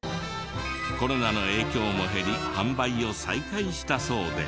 コロナの影響も減り販売を再開したそうで。